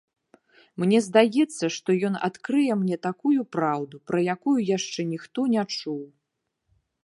Мне здаецца, што ён адкрые мне такую праўду, пра якую яшчэ ніхто не чуў.